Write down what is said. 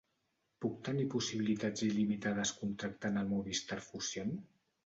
Puc tenir possibilitats il·limitades contractant el Movistar Fusión?